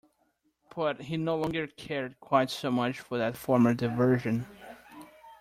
But he no longer cared quite so much for that form of diversion.